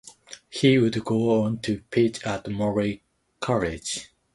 He would go on to pitch at Molloy College.